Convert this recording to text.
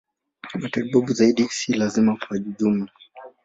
Matibabu zaidi si lazima kwa ujumla.